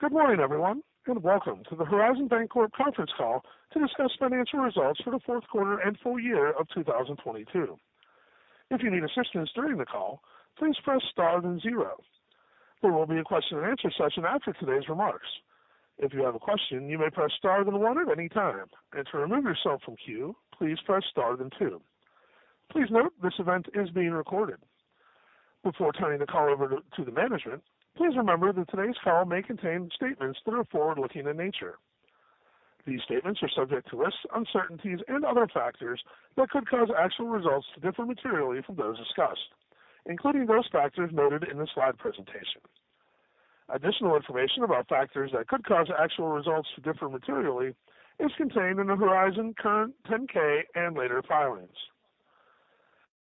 Good morning, everyone, welcome to the Horizon Bancorp conference call to discuss financial results for the fourth quarter and full year of 2022. If you need assistance during the call, please press Star then zero. There will be a question and answer session after today's remarks. If you have a question, you may press Star then one at any time, to remove yourself from queue, please press Star then two. Please note this event is being recorded. Before turning the call over to the management, please remember that today's call may contain statements that are forward-looking in nature. These statements are subject to risks, uncertainties and other factors that could cause actual results to differ materially from those discussed, including those factors noted in the slide presentation. Additional information about factors that could cause actual results to differ materially is contained in the Horizon current 10-K and later filings.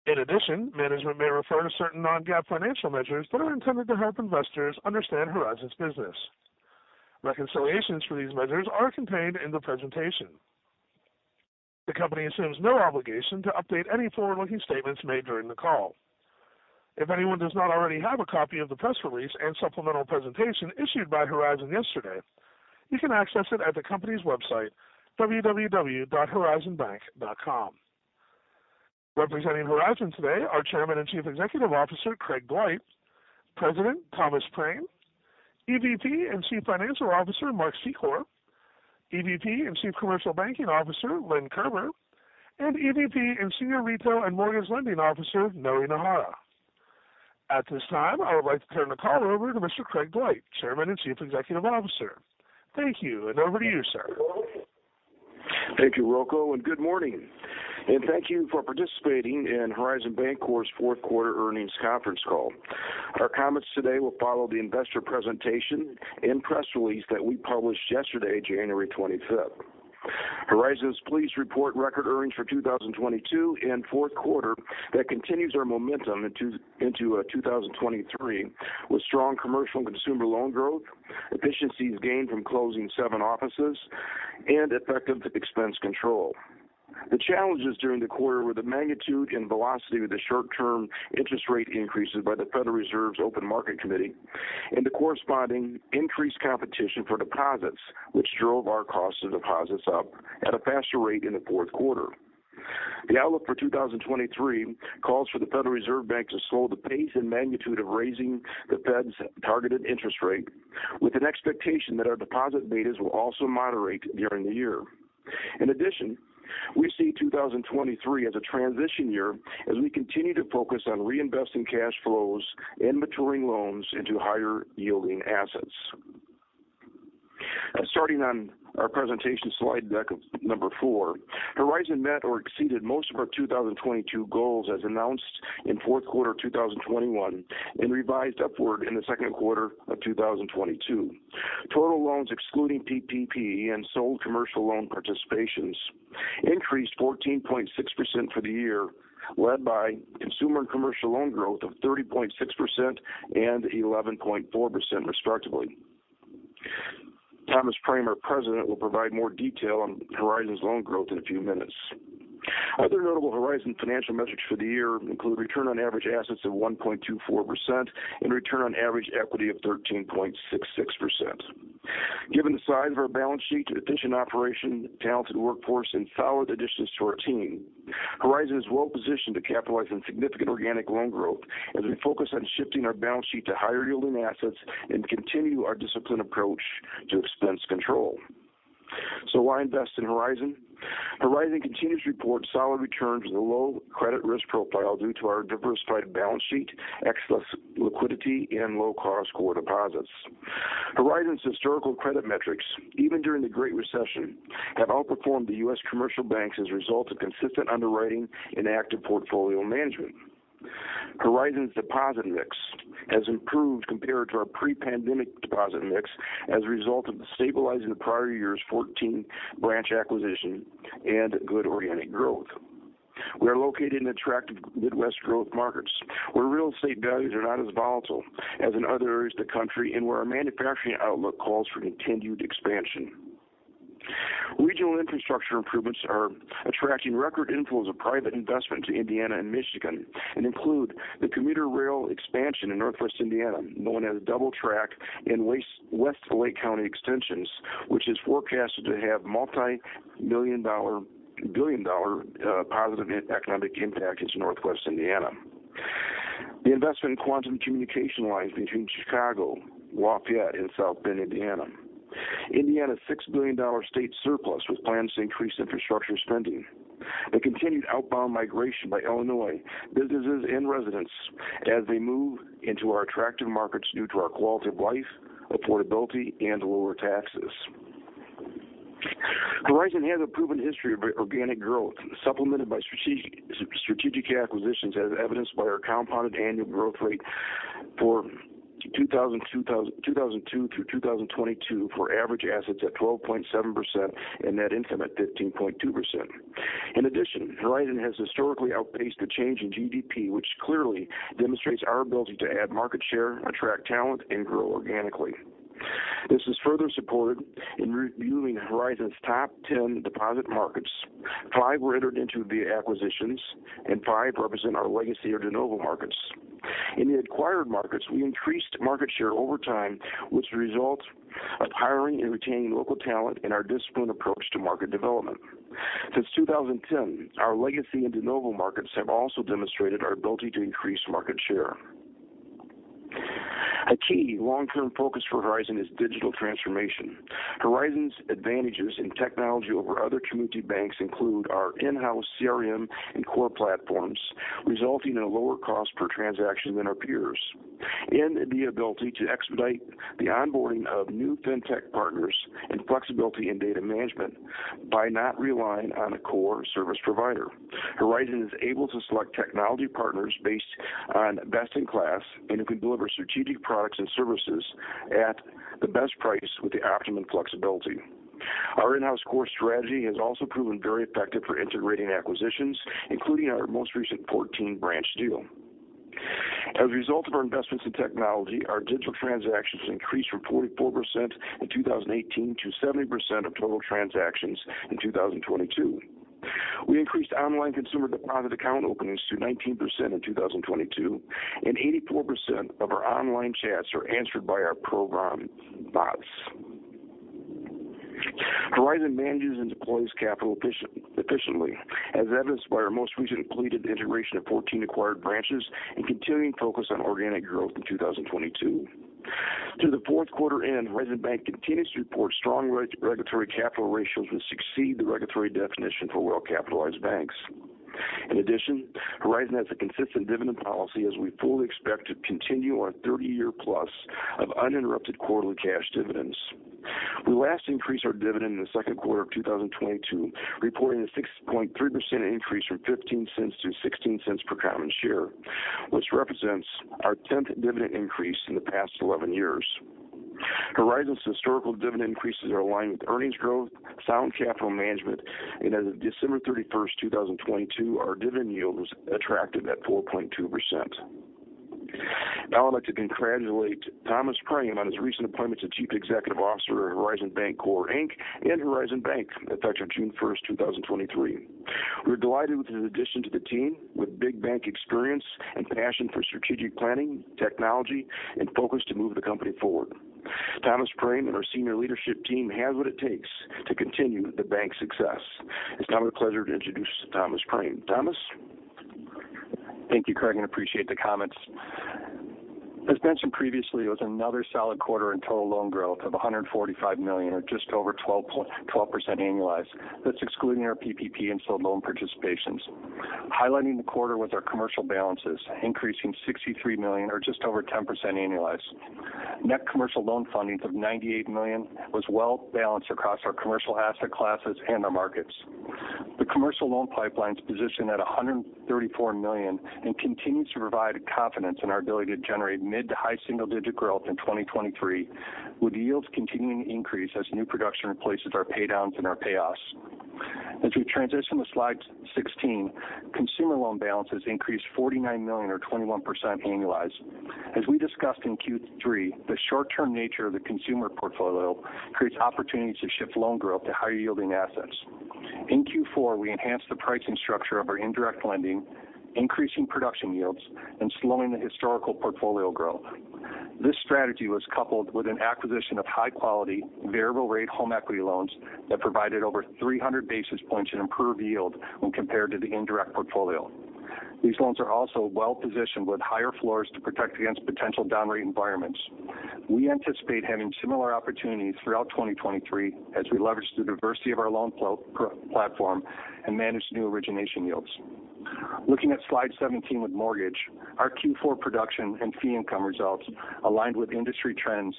In addition, management may refer to certain non-GAAP financial measures that are intended to help investors understand Horizon's business. Reconciliations for these measures are contained in the presentation. The company assumes no obligation to update any forward-looking statements made during the call. If anyone does not already have a copy of the press release and supplemental presentation issued by Horizon yesterday, you can access it at the company's website, www.horizonbank.com. Representing Horizon today are Chairman and Chief Executive Officer, Craig Dwight; President, Thomas M. Prame; EVP and Chief Financial Officer, Mark E. Secor; EVP and Chief Commercial Banking Officer, Lynn Kerber; and EVP and Senior Retail and Mortgage Lending Officer, Noe Najera. At this time, I would like to turn the call over to Mr. Craig M. Dwight, Chairman and Chief Executive Officer. Thank you, and over to you, sir. Thank you, Rocco. Good morning. Thank you for participating in Horizon Bancorp's fourth quarter earnings conference call. Our comments today will follow the investor presentation and press release that we published yesterday, January 25th. Horizon's police report record earnings for 2022 and fourth quarter that continues our momentum into 2023 with strong commercial and consumer loan growth, efficiencies gained from closing seven offices and effective expense control. The challenges during the quarter were the magnitude and velocity of the short-term interest rate increases by the Federal Open Market Committee. The corresponding increased competition for deposits, which drove our cost of deposits up at a faster rate in the fourth quarter. The outlook for 2023 calls for the Federal Reserve Bank to slow the pace and magnitude of raising the Fed's targeted interest rate with an expectation that our deposit betas will also moderate during the year. We see 2023 as a transition year as we continue to focus on reinvesting cash flows and maturing loans into higher yielding assets. Starting on our presentation slide deck of 4, Horizon met or exceeded most of our 2022 goals as announced in fourth quarter of 2021 and revised upward in the second quarter of 2022. Total loans excluding PPP and sold commercial loan participations increased 14.6% for the year, led by consumer and commercial loan growth of 30.6% and 11.4%, respectively. Thomas Prame, our president, will provide more detail on Horizon's loan growth in a few minutes. Other notable Horizon financial metrics for the year include return on average assets of 1.24% and return on average equity of 13.66%. Given the size of our balance sheet, efficient operation, talented workforce and solid additions to our team, Horizon is well-positioned to capitalize on significant organic loan growth as we focus on shifting our balance sheet to higher yielding assets and continue our disciplined approach to expense control. Why invest in Horizon? Horizon continues to report solid returns with a low credit risk profile due to our diversified balance sheet, excess liquidity and low cost core deposits. Horizon's historical credit metrics, even during the Great Recession, have outperformed the U.S. commercial banks as a result of consistent underwriting and active portfolio management. Horizon's deposit mix has improved compared to our pre-pandemic deposit mix as a result of the stabilizing the prior year's 14 branch acquisition and good organic growth. We are located in attractive Midwest growth markets, where real estate values are not as volatile as in other areas of the country and where our manufacturing outlook calls for continued expansion. Regional infrastructure improvements are attracting record inflows of private investment to Indiana and Michigan and include the commuter rail expansion in Northwest Indiana, known as a double track in West Lake County extensions, which is forecasted to have multi-million dollar, billion dollar positive economic impact into Northwest Indiana. The investment in quantum communication lines between Chicago, Lafayette and South Bend, Indiana. Indiana's $6 billion state surplus with plans to increase infrastructure spending. The continued outbound migration by Illinois businesses and residents as they move into our attractive markets due to our quality of life, affordability and lower taxes. Horizon has a proven history of organic growth, supplemented by strategic acquisitions as evidenced by our compounded annual growth rate for 2002 through 2022 for average assets at 12.7% and Net Interest Income at 15.2%. Horizon has historically outpaced the change in GDP, which clearly demonstrates our ability to add market share, attract talent and grow organically. This is further supported in reviewing Horizon's top 10 deposit markets. Five were entered into via acquisitions and 5 represent our legacy or de novo markets. In the acquired markets, we increased market share over time, which results of hiring and retaining local talent and our disciplined approach to market development. Since 2010, our legacy and de novo markets have also demonstrated our ability to increase market share. A key long-term focus for Horizon is digital transformation. Horizon's advantages in technology over other community banks include our in-house CRM and core platforms, resulting in a lower cost per transaction than our peers, and the ability to expedite the onboarding of new fintech partners and flexibility in data management by not relying on a core service provider. Horizon is able to select technology partners based on best in class and who can deliver strategic products and services at the best price with the optimum flexibility. Our in-house core strategy has also proven very effective for integrating acquisitions, including our most recent 14-branch deal. As a result of our investments in technology, our digital transactions increased from 44% in 2018 to 70% of total transactions in 2022. We increased online consumer deposit account openings to 19% in 2022. Eighty-four percent of our online chats are answered by our program bots. Horizon manages and deploys capital efficiently, as evidenced by our most recently completed integration of 14 acquired branches and continuing focus on organic growth in 2022. Through the fourth quarter end, Horizon Bank continues to report strong regulatory capital ratios which succeed the regulatory definition for well-capitalized banks. In addition, Horizon has a consistent dividend policy as we fully expect to continue our 30-year-plus of uninterrupted quarterly cash dividends. We last increased our dividend in the second quarter of 2022, reporting a 6.3% increase from $0.15 to $0.16 per common share, which represents our 10th dividend increase in the past 11 years. Horizon's historical dividend increases are aligned with earnings growth, sound capital management. As of December 31, 2022, our dividend yield was attractive at 4.2%. I'd like to congratulate Thomas Prame on his recent appointment to Chief Executive Officer of Horizon Bancorp, Inc. and Horizon Bank, effective June 1, 2023. We're delighted with his addition to the team with big bank experience and passion for strategic planning, technology, and focus to move the company forward. Thomas Prame and our senior leadership team has what it takes to continue the bank's success. It's now my pleasure to introduce Thomas Prame. Thomas? Thank you, Craig, and appreciate the comments. As mentioned previously, it was another solid quarter in total loan growth of $145 million or just over 12% annualized. That's excluding our PPP and sold loan participations. Highlighting the quarter was our commercial balances, increasing $63 million or just over 10% annualized. Net commercial loan fundings of $98 million was well balanced across our commercial asset classes and our markets. The commercial loan pipeline's positioned at $134 million and continues to provide confidence in our ability to generate mid to high single-digit growth in 2023, with yields continuing to increase as new production replaces our paydowns and our payoffs. As we transition to slide 16, consumer loan balances increased $49 million or 21% annualized. As we discussed in Q3, the short-term nature of the consumer portfolio creates opportunities to shift loan growth to higher-yielding assets. In Q4, we enhanced the pricing structure of our indirect lending, increasing production yields, and slowing the historical portfolio growth. This strategy was coupled with an acquisition of high-quality variable rate home equity loans that provided over 300 basis points in improved yield when compared to the indirect portfolio. These loans are also well-positioned with higher floors to protect against potential down rate environments. We anticipate having similar opportunities throughout 2023 as we leverage the diversity of our platform and manage new origination yields. Looking at slide 17 with mortgage, our Q4 production and fee income results aligned with industry trends.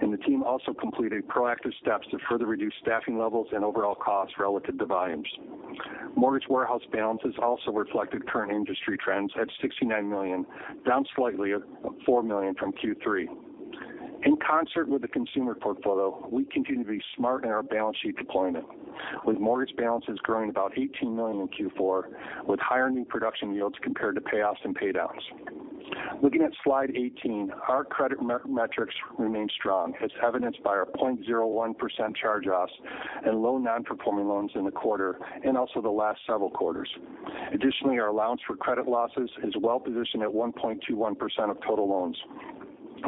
The team also completed proactive steps to further reduce staffing levels and overall costs relative to volumes. Mortgage warehouse balances also reflected current industry trends at $69 million, down slightly at $4 million from Q3. In concert with the consumer portfolio, we continue to be smart in our balance sheet deployment. With mortgage balances growing about $18 million in Q4, with higher new production yields compared to payoffs and pay downs. Looking at slide 18, our credit metrics remain strong as evidenced by our 0.01% charge-offs and low non-performing loans in the quarter and also the last several quarters. Additionally, our Allowance for Credit Losses is well positioned at 1.21% of total loans.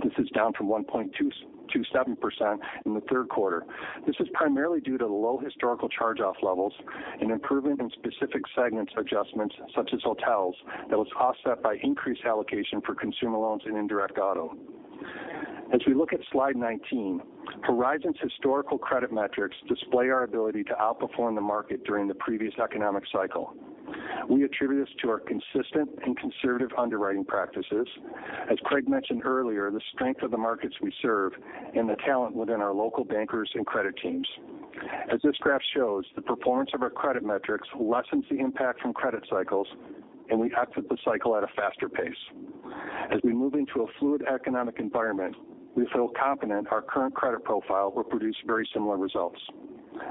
This is down from 1.227% in the third quarter. This is primarily due to the low historical charge-off levels, an improvement in specific segments adjustments such as hotels that was offset by increased allocation for consumer loans and indirect auto. As we look at slide 19, Horizon's historical credit metrics display our ability to outperform the market during the previous economic cycle. We attribute this to our consistent and conservative underwriting practices. As Craig mentioned earlier, the strength of the markets we serve and the talent within our local bankers and credit teams. As this graph shows, the performance of our credit metrics lessens the impact from credit cycles, and we exit the cycle at a faster pace. As we move into a fluid economic environment, we feel confident our current credit profile will produce very similar results.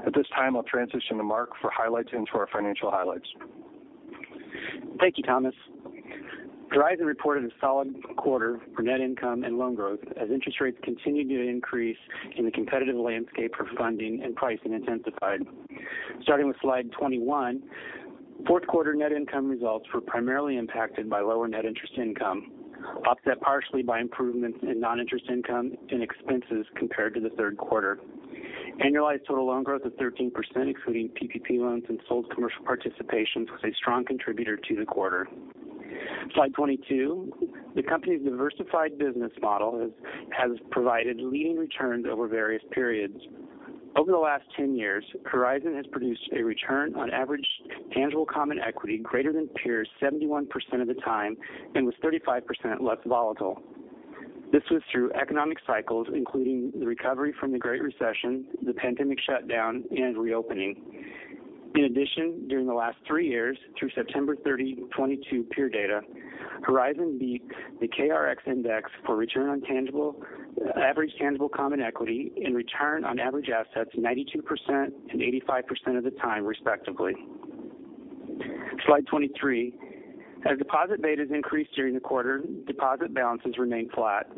At this time, I'll transition to Mark for highlights into our financial highlights. Thank you, Thomas. Horizon reported a solid quarter for net income and loan growth as interest rates continued to increase in the competitive landscape for funding and pricing intensified. Starting with slide 21. Fourth quarter net income results were primarily impacted by lower Net Interest Income, offset partially by improvements in non-interest income and expenses compared to the third quarter. Annualized total loan growth of 13%, including PPP loans and sold commercial participations, was a strong contributor to the quarter. Slide 22. The company's diversified business model has provided leading returns over various periods. Over the last 10 years, Horizon has produced a Return on Average Tangible Common Equity greater than peers 71% of the time and was 35% less volatile. This was through economic cycles, including the recovery from the Great Recession, the pandemic shutdown, and reopening. In addition, during the last 3 years through September 30, 2022 peer data, Horizon beat the KRX index for return on average tangible common equity and return on average assets 92% and 85% of the time, respectively. Slide 23. As deposit betas increased during the quarter, deposit balances remained flat.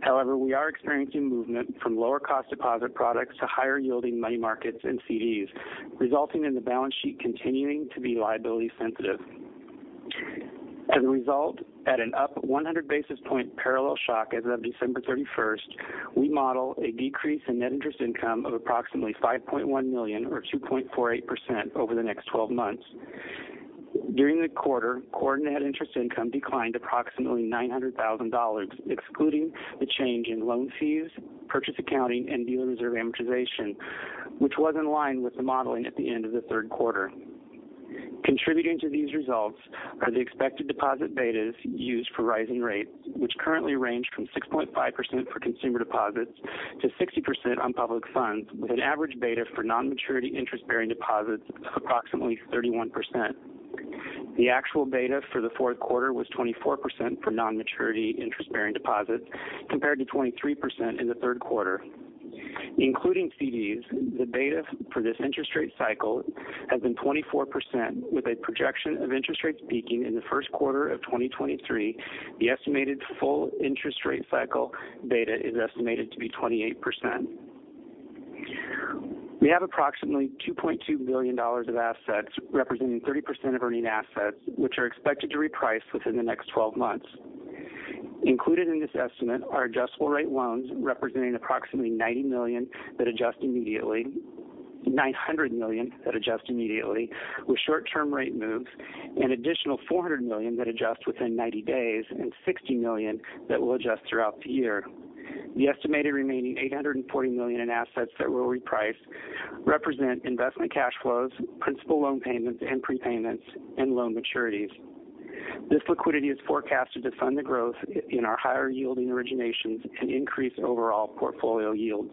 However, we are experiencing movement from lower cost deposit products to higher yielding money markets and CDs, resulting in the balance sheet continuing to be liability sensitive. As a result, at an up 100 basis point parallel shock as of December 31st, we model a decrease in Net Interest Income of approximately $5.1 million or 2.48% over the next 12 months. During the quarter, core Net Interest Income declined approximately $900,000, excluding the change in loan fees, purchase accounting and dealer reserve amortization, which was in line with the modeling at the end of the third quarter. Contributing to these results are the expected deposit betas used for rising rates, which currently range from 6.5% for consumer deposits to 60% on Public Funds, with an average beta for non-maturity interest-bearing deposits of approximately 31%. The actual beta for the fourth quarter was 24% for non-maturity interest-bearing deposits, compared to 23% in the third quarter. Including CDs, the beta for this interest rate cycle has been 24%, with a projection of interest rates peaking in the first quarter of 2023. The estimated full interest rate cycle beta is estimated to be 28%. We have approximately $2.2 billion of assets representing 30% of earning assets, which are expected to reprice within the next 12 months. Included in this estimate are adjustable rate loans representing approximately $900 million that adjust immediately with short-term rate moves, an additional $400 million that adjust within 90 days and $60 million that will adjust throughout the year. The estimated remaining $840 million in assets that will reprice represent investment cash flows, principal loan payments and prepayments and loan maturities. This liquidity is forecasted to fund the growth in our higher yielding originations and increase overall portfolio yields.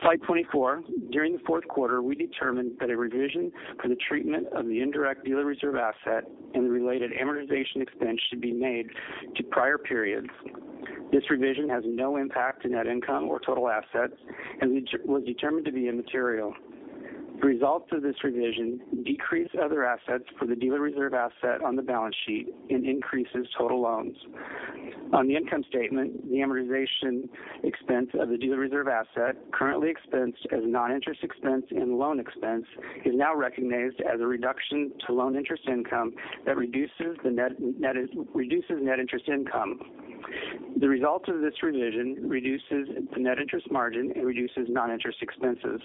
Slide 24. During the fourth quarter, we determined that a revision for the treatment of the indirect dealer reserve asset and the related amortization expense should be made to prior periods. This revision has no impact to net income or total assets and was determined to be immaterial. The results of this revision decrease other assets for the dealer reserve asset on the balance sheet and increases total loans. On the income statement, the amortization expense of the dealer reserve asset currently expensed as non-interest expense and loan expense, is now recognized as a reduction to loan interest income that reduces net interest income. The results of this revision reduces the net interest margin and reduces non-interest expenses.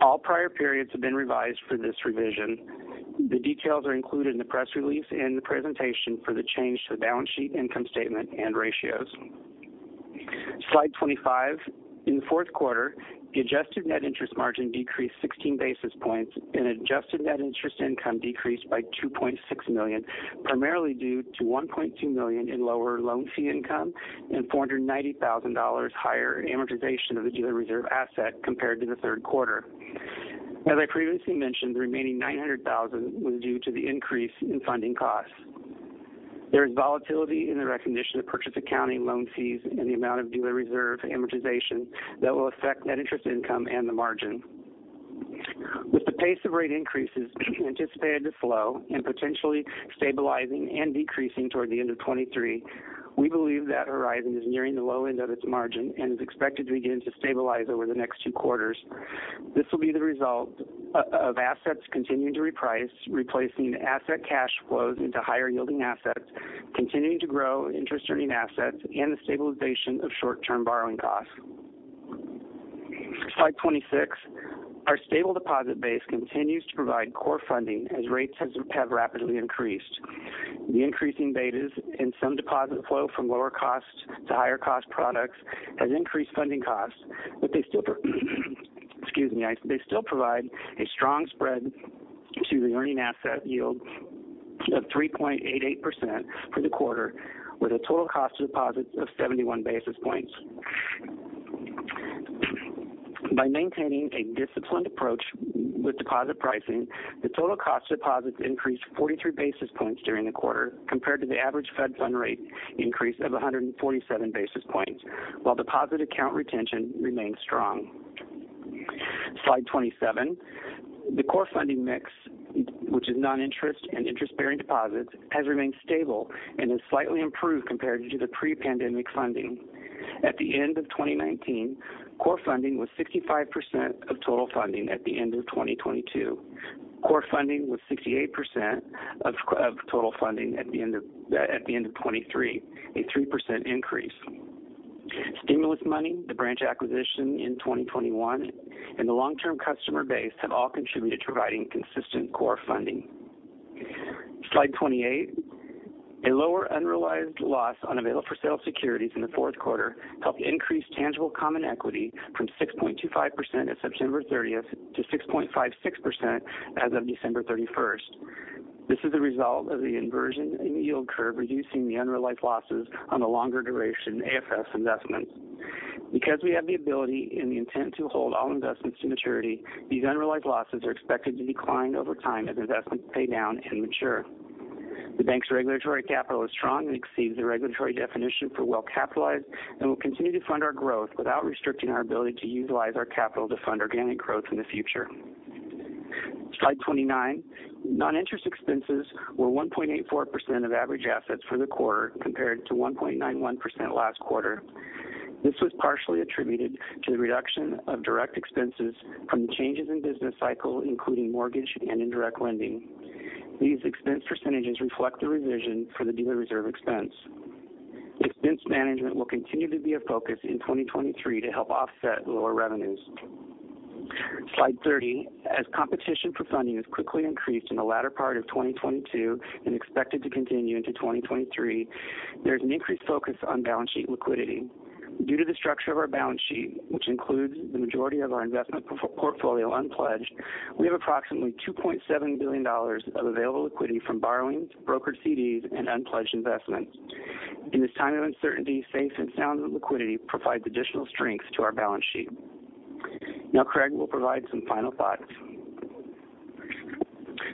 All prior periods have been revised for this revision. The details are included in the press release and the presentation for the change to the balance sheet income statement and ratios. Slide 25. In the fourth quarter, the adjusted Net Interest Margin decreased 16 basis points and adjusted Net Interest Income decreased by $2.6 million, primarily due to $1.2 million in lower loan fee income and $490,000 higher amortization of the dealer reserve asset compared to the third quarter. As I previously mentioned, the remaining $900,000 was due to the increase in funding costs. There is volatility in the recognition of purchase accounting loan fees and the amount of dealer reserve amortization that will affect Net Interest Income and the margin. With the pace of rate increases anticipated to slow and potentially stabilizing and decreasing toward the end of 2023, we believe that Horizon is nearing the low end of its margin and is expected to begin to stabilize over the next two quarters. This will be the result of assets continuing to reprice, replacing asset cash flows into higher yielding assets, continuing to grow interest earning assets, and the stabilization of short-term borrowing costs. Slide 26. Our stable deposit base continues to provide core funding as rates have rapidly increased. The increasing betas in some deposit flow from lower cost to higher cost products has increased funding costs, but they still provide a strong spread to the earning asset yield of 3.88% for the quarter, with a total cost to deposits of 71 basis points. By maintaining a disciplined approach with deposit pricing, the total cost deposits increased 43 basis points during the quarter compared to the average Federal Funds Rate increase of 147 basis points, while deposit account retention remains strong. Slide 27. The core funding mix, which is non-interest and interest-bearing deposits, has remained stable and has slightly improved compared to the pre-pandemic funding. At the end of 2019, core funding was 65% of total funding at the end of 2022. Core funding was 68% of total funding at the end of 2023, a 3% increase. Stimulus money, the branch acquisition in 2021, and the long-term customer base have all contributed to providing consistent core funding. Slide 28. A lower unrealized loss on available for sale securities in the fourth quarter helped increase tangible common equity from 6.25% at September 30th to 6.56% as of December 31st. This is a result of the inversion in the yield curve, reducing the unrealized losses on the longer duration AFS investments. We have the ability and the intent to hold all investments to maturity, these unrealized losses are expected to decline over time as investments pay down and mature. The bank's regulatory capital is strong and exceeds the regulatory definition for well-capitalized and will continue to fund our growth without restricting our ability to utilize our capital to fund organic growth in the future. Slide 29. Non-interest expenses were 1.84% of average assets for the quarter compared to 1.91% last quarter. This was partially attributed to the reduction of direct expenses from the changes in business cycle, including mortgage and indirect lending. These expense percentages reflect the revision for the dealer reserve expense. Expense management will continue to be a focus in 2023 to help offset lower revenues. Slide 30. As competition for funding has quickly increased in the latter part of 2022 and expected to continue into 2023, there's an increased focus on balance sheet liquidity. Due to the structure of our balance sheet, which includes the majority of our investment portfolio unpledged, we have approximately $2.7 billion of available liquidity from borrowings, brokered CDs, and unpledged investments. In this time of uncertainty, safe and sound liquidity provides additional strength to our balance sheet. Now Craig will provide some final thoughts.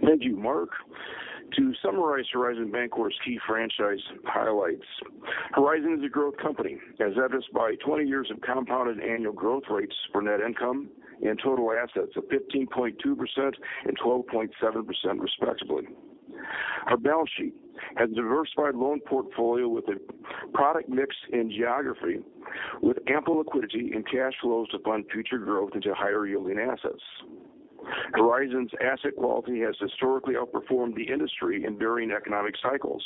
Thank you, Mark. To summarize Horizon Bancorp's key franchise highlights. Horizon is a growth company, as evidenced by 20 years of compounded annual growth rates for net income and total assets of 15.2% and 12.7% respectively. Our balance sheet has a diversified loan portfolio with a product mix and geography with ample liquidity and cash flows to fund future growth into higher yielding assets. Horizon's asset quality has historically outperformed the industry in varying economic cycles.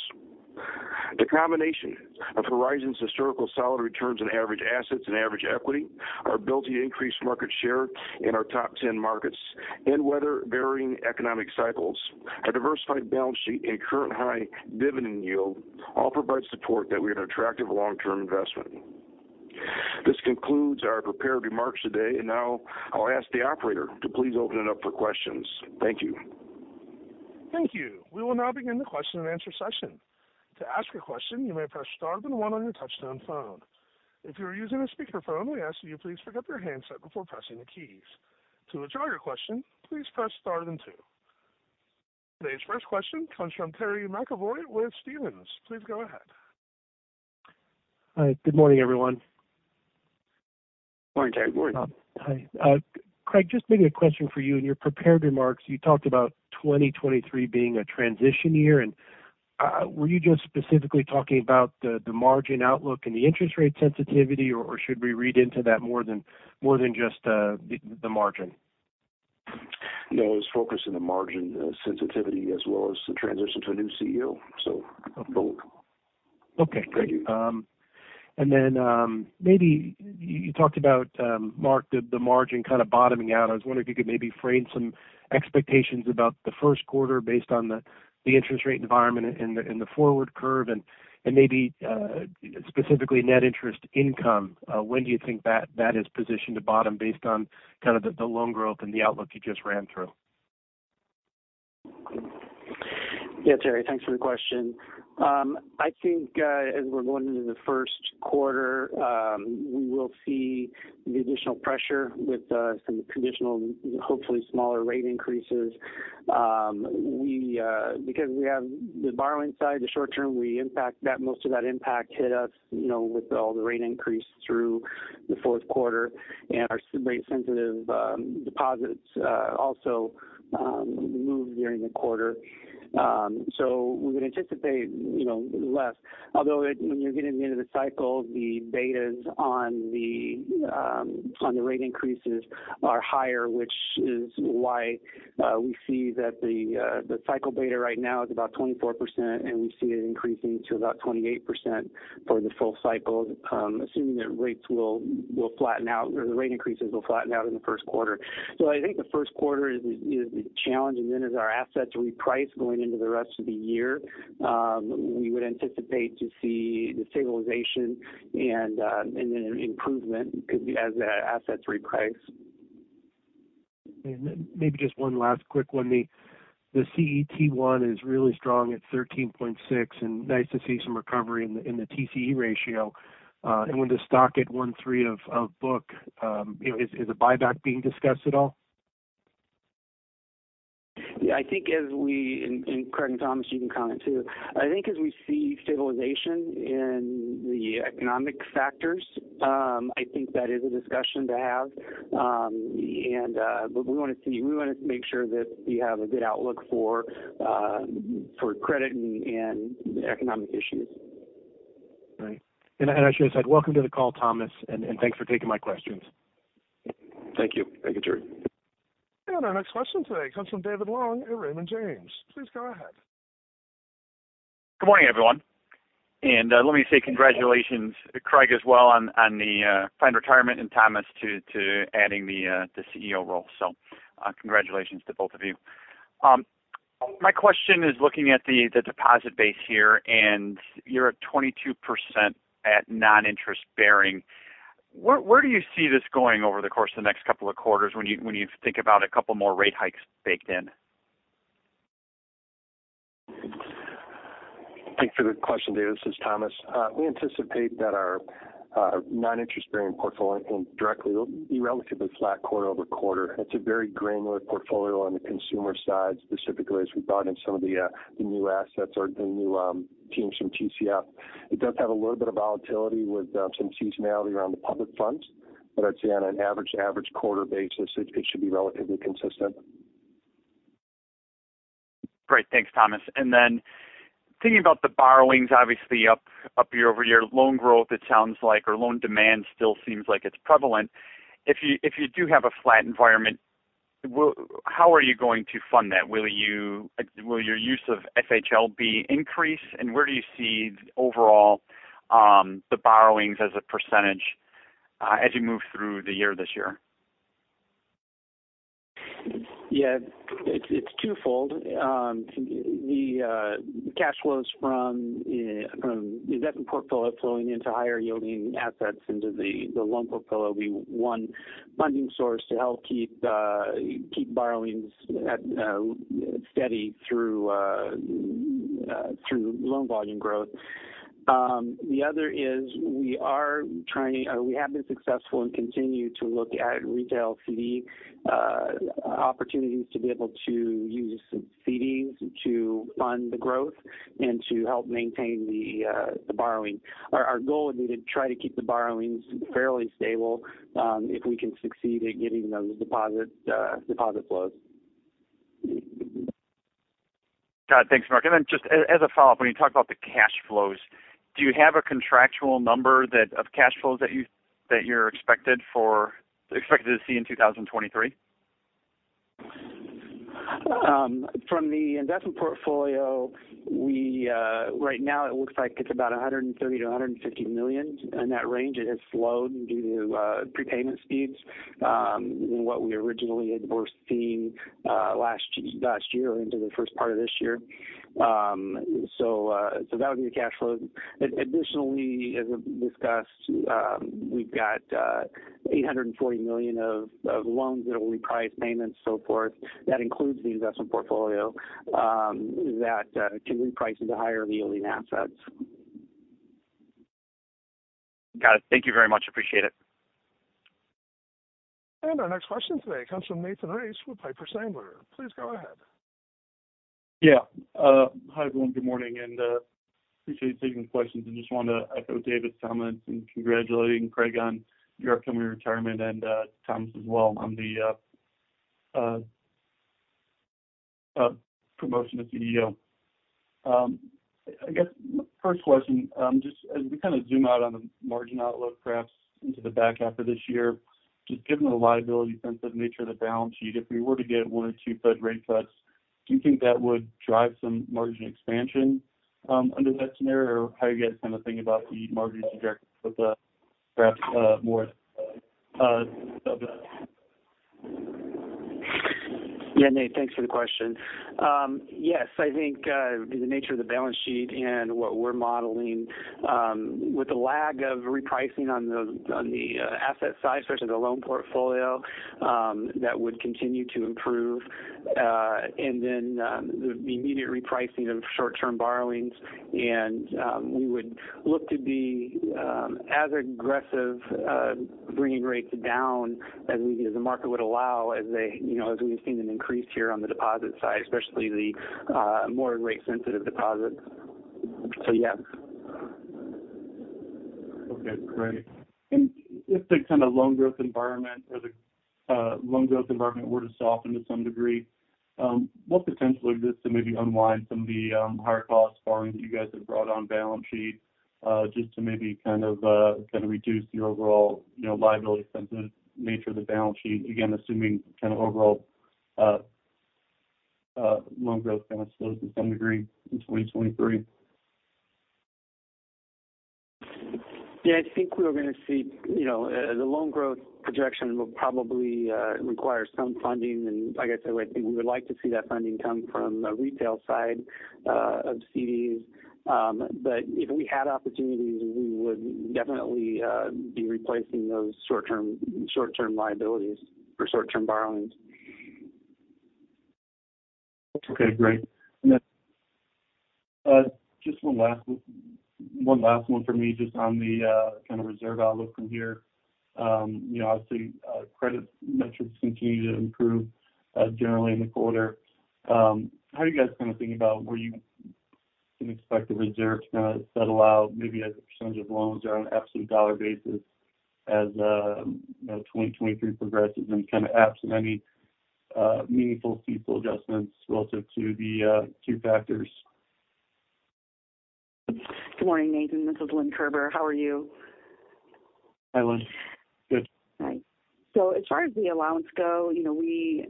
The combination of Horizon's historical solid returns on average assets and average equity, our ability to increase market share in our top 10 markets and weather varying economic cycles, our diversified balance sheet and current high dividend yield all provide support that we are an attractive long-term investment. This concludes our prepared remarks today. Now I'll ask the operator to please open it up for questions. Thank you. Thank you. We will now begin the question and answer session. To ask a question, you may press star then one on your touchtone phone. If you are using a speakerphone, we ask that you please pick up your handset before pressing the keys. To withdraw your question, please press star then two. Today's first question comes from Terry McEvoy with Stephens. Please go ahead. Hi. Good morning, everyone. Morning, Terry. Morning. Hi. Craig, just maybe a question for you. In your prepared remarks, you talked about 2023 being a transition year, and, were you just specifically talking about the margin outlook and the interest rate sensitivity, or should we read into that more than just the margin? No, I was focused on the margin, sensitivity as well as the transition to a new CEO. Both. Okay. Thank you. Then, maybe you talked about, Mark, the margin kind of bottoming out. I was wondering if you could maybe frame some expectations about the first quarter based on the interest rate environment and the forward curve and maybe specifically Net Interest Income. When do you think that is positioned to bottom based on kind of the loan growth and the outlook you just ran through? Yeah, Terry, thanks for the question. I think, as we're going into the first quarter, we will see the additional pressure with some additional, hopefully smaller rate increases. We, because we have the borrowing side, the short term, we impact that. Most of that impact hit us, you know, with all the rate increase through the fourth quarter. Our rate sensitive deposits also moved during the quarter. We would anticipate, you know, less. When you're getting to the end of the cycle, the betas on the on the rate increases are higher, which is why we see that the cycle beta right now is about 24%, and we see it increasing to about 28% for the full cycle, assuming that rates will flatten out or the rate increases will flatten out in the first quarter. I think the first quarter is challenging. As our assets reprice going into the rest of the year, we would anticipate to see the stabilization and then an improvement as the assets reprice. Maybe just one last quick one. The CET1 is really strong at 13.6, and nice to see some recovery in the TCE ratio. With the stock at 1.3 of book, you know, is a buyback being discussed at all? Yeah, and Craig and Thomas, you can comment too. I think as we see stabilization in the economic factors, I think that is a discussion to have. We want to see, we want to make sure that we have a good outlook for credit and economic issues. Right. And I should have said welcome to the call, Thomas, and thanks for taking my questions. Thank you. Thank you, Terry. Our next question today comes from David Long at Raymond James. Please go ahead. Good morning, everyone. Let me say congratulations, Craig as well on the planned retirement and Thomas to adding the CEO role. Congratulations to both of you. My question is looking at the deposit base here, and you're at 22% at non-interest bearing. Where do you see this going over the course of the next couple of quarters when you think about a couple more rate hikes baked in? Thanks for the question, David. This is Thomas. We anticipate that our non-interest bearing portfolio can directly be relatively flat quarter-over-quarter. It's a very granular portfolio on the consumer side, specifically as we brought in some of the new assets or the new teams from TCF. It does have a little bit of volatility with some seasonality around the Public Funds. I'd say on an average quarter basis, it should be relatively consistent. Great. Thanks, Thomas. Thinking about the borrowings, obviously up year-over-year loan growth, it sounds like or loan demand still seems like it's prevalent. If you do have a flat environment, how are you going to fund that? Will your use of FHLB increase? Where do you see overall, the borrowings as a %, as you move through the year this year? Yeah, it's twofold. The cash flows from the investment portfolio flowing into higher yielding assets into the loan portfolio will be one funding source to help keep borrowings at steady through loan volume growth. The other is we have been successful and continue to look at retail CD opportunities to be able to use some CDs to fund the growth and to help maintain the borrowing. Our goal would be to try to keep the borrowings fairly stable, if we can succeed at getting those deposit flows. Got it. Thanks, Mark. Just as a follow-up, when you talk about the cash flows, do you have a contractual number of cash flows expected to see in 2023? From the investment portfolio, we right now it looks like it's about $130 million-$150 million in that range. It has slowed due to prepayment speeds than what we originally had foreseen last year or into the first part of this year. That would be the cash flow. Additionally, as discussed, we've got $840 million of loans that will reprice payments, so forth. That includes the investment portfolio that can reprice into higher yielding assets. Got it. Thank you very much. Appreciate it. Our next question today comes from Nathan Race with Piper Sandler. Please go ahead. Yeah. Hi, everyone. Good morning. Appreciate you taking the questions. I just wanted to echo David's comments in congratulating Craig on your upcoming retirement and Thomas as well on the promotion to CEO. I guess first question, just as we kind of zoom out on the margin outlook, perhaps into the back half of this year, just given the liability-sensitive nature of the balance sheet, if we were to get one or two Fed rate cuts, do you think that would drive some margin expansion, under that scenario? How are you guys kind of thinking about the margin trajectory with, perhaps, more of that? Yeah. Nate, thanks for the question. Yes, I think the nature of the balance sheet and what we're modeling, with the lag of repricing on the asset side, especially the loan portfolio, that would continue to improve. The immediate repricing of short-term borrowings, and we would look to be as aggressive bringing rates down as the market would allow as they, you know, as we've seen an increase here on the deposit side, especially the more rate-sensitive deposits. Yes. Okay, great. If the kind of loan growth environment or the loan growth environment were to soften to some degree, what potential exists to maybe unwind some of the higher cost borrowings that you guys have brought on balance sheet, just to maybe kind of reduce your overall, you know, liability-sensitive nature of the balance sheet, again, assuming kind of overall loan growth kind of slows to some degree in 2023? Yeah, I think we're going to see, you know, the loan growth projection will probably require some funding. Like I said, I think we would like to see that funding come from the retail side of CDs. If we had opportunities, we would definitely be replacing those short-term liabilities for short-term borrowings. Okay, great. Then just one last one for me just on the, you know, kind of reserve outlook from here. You know, obviously, credit metrics continue to improve, generally in the quarter. How are you guys kind of thinking about where you can expect the reserves now that allow maybe as a percentage of loans or an absolute dollar basis as, you know, 2023 progresses and kind of absent any meaningful CECL adjustments relative to the two factors? Good morning, Nathan. This is Lynn Kerber. How are you? Hi, Lynn. Good. Hi. As far as the Allowance go, you know, we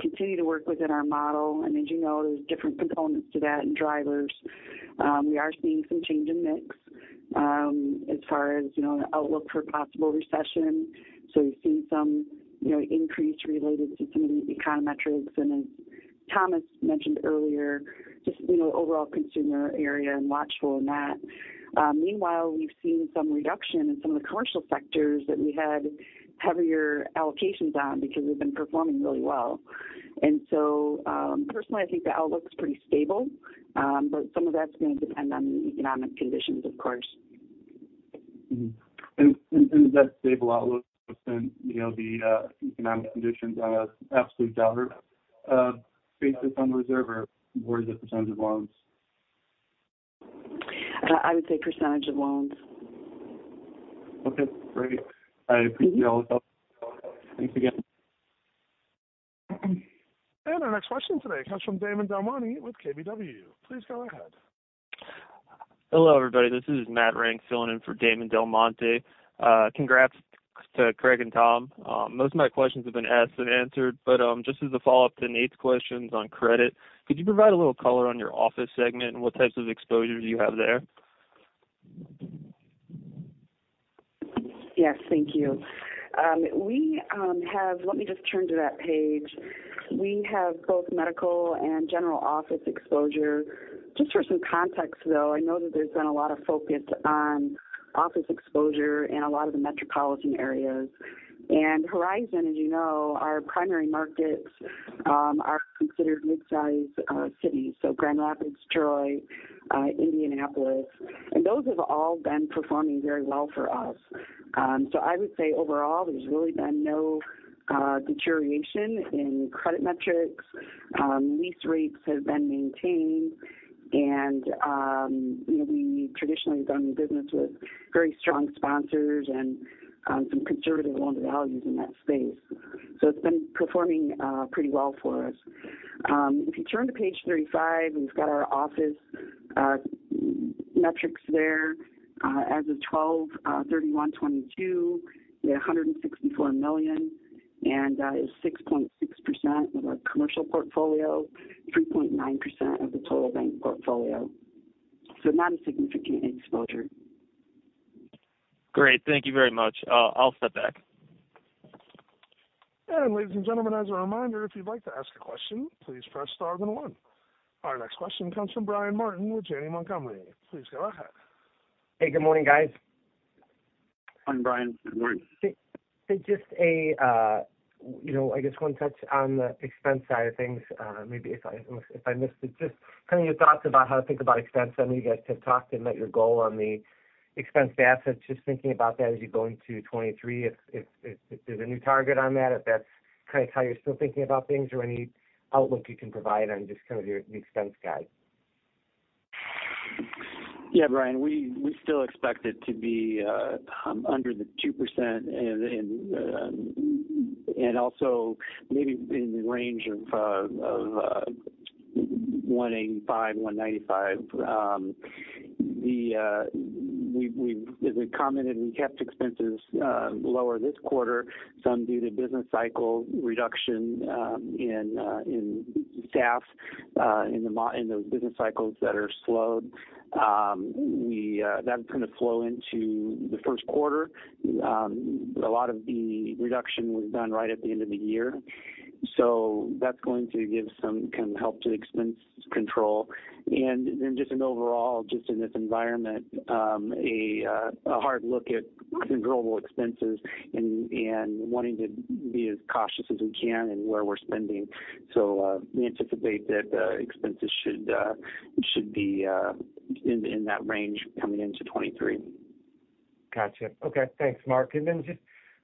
continue to work within our model. As you know, there's different components to that and drivers. We are seeing some change in mix, as far as, you know, an outlook for possible recession. We've seen some, you know, increase related to some of the econometrics. As Thomas mentioned earlier, just, you know, overall consumer area and watchful in that. Meanwhile, we've seen some reduction in some of the commercial sectors that we had heavier allocations on because we've been performing really well. Personally, I think the outlook's pretty stable. Some of that's going to depend on the economic conditions, of course. Mm-hmm. In that stable outlook, you know, the economic conditions on an absolute dollar basis on reserve, or is it percentage of loans? I would say percentage of loans. Okay, great. I appreciate all the help. Thanks again. Our next question today comes from Damon DelMonte with KBW. Please go ahead. Hello, everybody. This is Matt Renck filling in for Damon DelMonte. Congrats to Craig and Tom. Most of my questions have been asked and answered. Just as a follow-up to Nate's questions on credit, could you provide a little color on your office segment and what types of exposures you have there? Yes, thank you. Let me just turn to that page. We have both medical and general office exposure. Just for some context, though, I know that there's been a lot of focus on office exposure in a lot of the metropolitan areas. Horizon, as you know, our primary markets are considered midsize cities. Grand Rapids, Troy, Indianapolis. Those have all been performing very well for us. I would say overall, there's really been no deterioration in credit metrics. Lease rates have been maintained. You know, we traditionally have done business with very strong sponsors and some conservative loan values in that space. It's been performing pretty well for us. If you turn to page 35, we've got our office metrics there. as of 12/31/2022, we had $164 million, it's 6.6% of our commercial portfolio, 3.9% of the total bank portfolio. Not a significant exposure. Great. Thank you very much. I'll step back. Ladies and gentlemen, as a reminder, if you'd like to ask a question, please press star then one. Our next question comes from Brian Martin with Janney Montgomery. Please go ahead. Hey, good morning, guys. Hi, Brian. Good morning. Just a, you know, I guess one touch on the expense side of things, maybe if I, if I missed it, just kind of your thoughts about how to think about expense? I know you guys have talked and met your goal on the expense to assets. Just thinking about that as you go into 23, if there's a new target on that, if that's kind of how you're still thinking about things or any outlook you can provide on just kind of your, the expense guide? Yeah, Brian, we still expect it to be under the 2% and also maybe in the range of 1.85%-1.95%. We've, as we commented, we kept expenses lower this quarter, some due to business cycle reduction in staff in those business cycles that are slowed. We that's going to flow into the first quarter. A lot of the reduction was done right at the end of the year. That's going to give some kind of help to expense control. Then just an overall, just in this environment, a hard look at controllable expenses and wanting to be as cautious as we can in where we're spending. We anticipate that expenses should be in that range coming into 23. Gotcha. Okay. Thanks, Mark. Just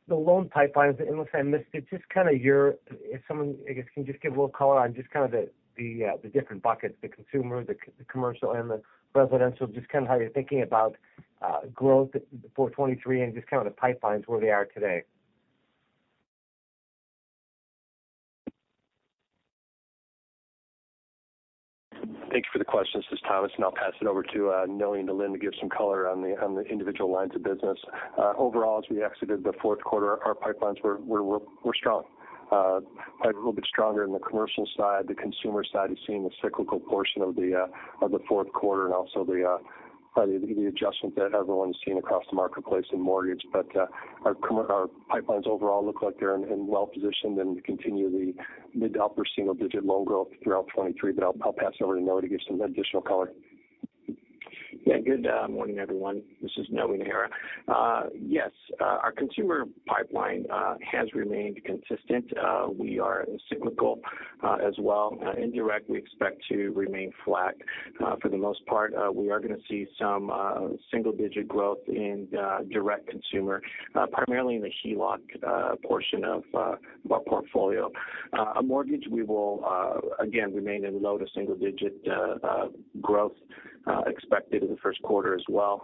the loan pipelines, and unless I missed it, just kind of if someone, I guess, can just give a little color on just kind of the different buckets, the consumer, commercial and the residential, just kind of how you're thinking about growth for 23 and just kind of the pipelines, where they are today. Thank you for the question. This is Thomas, I'll pass it over to Noe Najera and to Lynn Kerber to give some color on the individual lines of business. Overall, as we exited the fourth quarter, our pipelines were strong. Probably a little bit stronger in the commercial side. The consumer side is seeing the cyclical portion of the fourth quarter and also the adjustment that everyone's seeing across the marketplace in mortgage. Our pipelines overall look like they're in, well-positioned and continue the mid to upper single-digit loan growth throughout 2023. I'll pass it over to Noe Najera to give some additional color. Good morning everyone. This is Noe Najera. Yes, our consumer pipeline has remained consistent. We are cyclical as well. Indirect, we expect to remain flat. For the most part, we are gonna see some single digit growth in direct consumer, primarily in the HELOC portion of our portfolio. A mortgage, we will again, remain in low to single digit growth expected in the first quarter as well.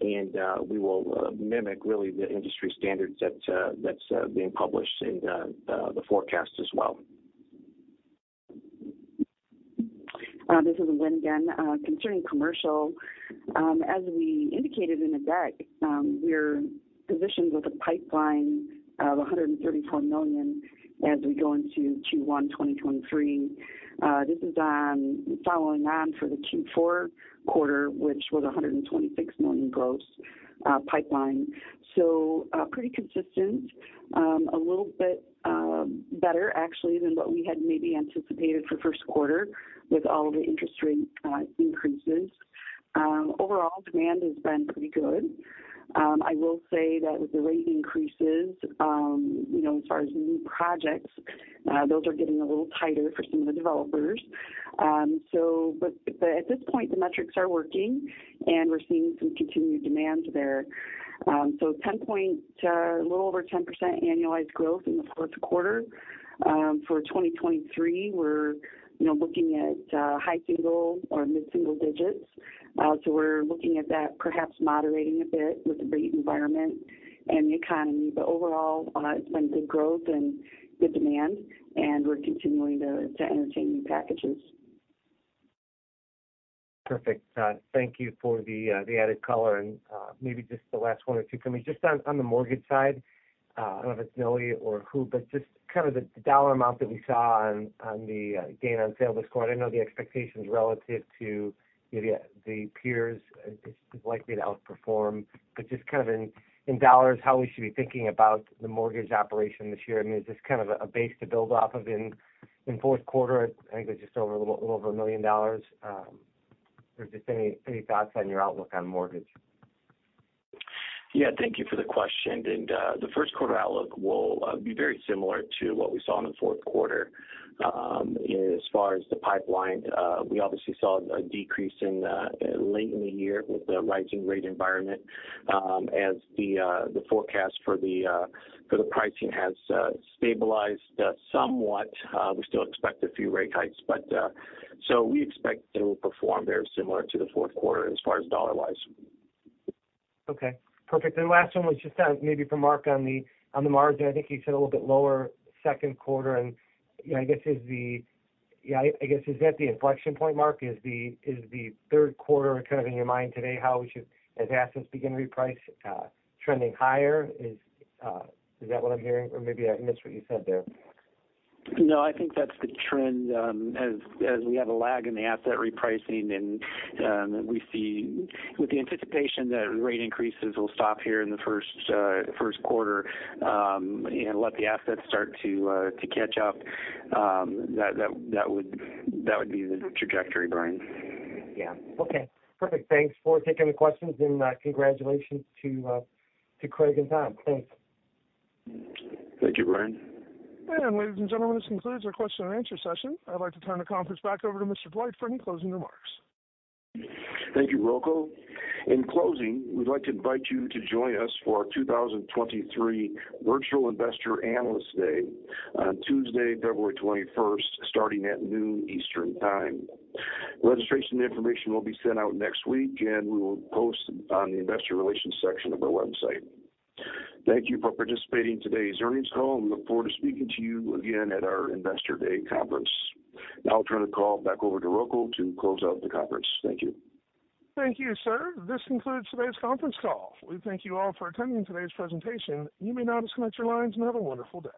We will mimic really the industry standards that that's being published in the forecast as well. This is Lynn again. Concerning commercial, as we indicated in the deck, we're positioned with a pipeline of $134 million as we go into Q1 2023. This is following on for the Q4 quarter, which was $126 million gross pipeline. Pretty consistent. A little bit better actually than what we had maybe anticipated for first quarter with all of the interest rate increases. Overall demand has been pretty good. I will say that with the rate increases, you know, as far as new projects, those are getting a little tighter for some of the developers. But at this point, the metrics are working, and we're seeing some continued demand there. A little over 10% annualized growth in the fourth quarter. For 2023, we're, you know, looking at high single or mid-single digits. We're looking at that perhaps moderating a bit with the rate environment and the economy. Overall, it's been good growth and good demand, and we're continuing to entertain new packages. Perfect. Thank you for the added color. Maybe just the last one or two for me. Just on the mortgage side, I don't know if it's Noe or who, but just kind of the dollar amount that we saw on the gain on sale this quarter. I know the expectations relative to maybe the peers is likely to outperform. Just kind of in dollars, how we should be thinking about the mortgage operation this year. I mean, is this kind of a base to build off of in fourth quarter? I think it was just over a little over $1 million. Or just any thoughts on your outlook on mortgage? Yeah. Thank you for the question. The first quarter outlook will be very similar to what we saw in the fourth quarter. As far as the pipeline, we obviously saw a decrease in late in the year with the rising rate environment. As the forecast for the pricing has stabilized somewhat, we still expect a few rate hikes. We expect to perform very similar to the fourth quarter as far as dollar-wise. Okay, perfect. The last one was just, maybe for Mark on the, on the margin. I think you said a little bit lower second quarter and, you know, I guess is that the inflection point, Mark? Is the third quarter kind of in your mind today, how we should, as assets begin reprice, trending higher? Is that what I'm hearing? Or maybe I missed what you said there. No, I think that's the trend, as we have a lag in the asset repricing and we see with the anticipation that rate increases will stop here in the first quarter, and let the assets start to catch up, that would be the trajectory, Brian. Yeah. Okay, perfect. Thanks for taking the questions, and congratulations to Craig and Tom. Thanks. Thank you, Brian. Ladies and gentlemen, this concludes our question and answer session. I'd like to turn the conference back over to Mr. Dwight for any closing remarks. Thank you, Rocco. In closing, we'd like to invite you to join us for our 2023 Virtual Investor Day on Tuesday, February 21st, starting at noon Eastern Time. Registration information will be sent out next week, and we will post on the investor relations section of our website. Thank you for participating in today's earnings call. We look forward to speaking to you again at our Investor Day conference. I'll turn the call back over to Rocco to close out the conference. Thank you. Thank you, sir. This concludes today's conference call. We thank you all for attending today's presentation. You may now disconnect your lines and have a wonderful day.